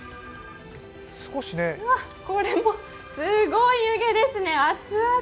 これもすごい湯気ですね、熱々。